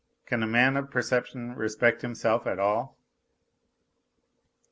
Can a man of perception respect himself at all